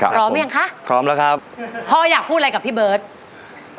พร้อมหรือยังคะพร้อมแล้วครับพ่ออยากพูดอะไรกับพี่เบิร์ต